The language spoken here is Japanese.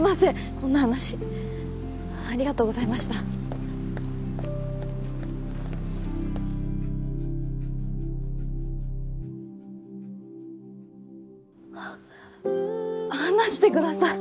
こんな話ありがとうございましたは離してください